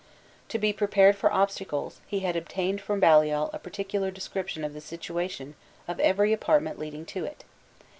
To be prepared for obstacles, he had obtained from Baliol a particular description of the situation of every apartment leading to it.